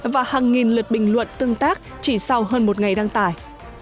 và hàng nghìn lượt bình luận tương tác chỉ sau hơn một ngày đăng tải